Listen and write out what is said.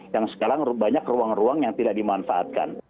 yang sekarang banyak ruang ruang yang tidak dimanfaatkan